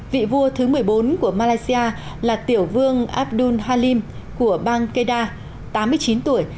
vị vua thứ một mươi bốn của malaysia là tiểu vương abdul halim của bang keda tám mươi chín tuổi